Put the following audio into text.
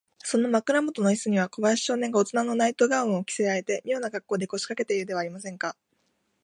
その枕もとのイスには、小林少年がおとなのナイト・ガウンを着せられて、みょうなかっこうで、こしかけているではありませんか。